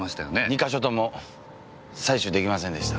２か所とも採取出来ませんでした。